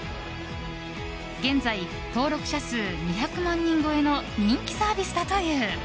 現在、登録者数２００万人超えの人気サービスだという。